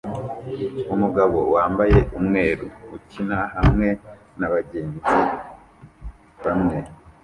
Umugabo wambaye umweru ukina hamwe nabagenzi bamwe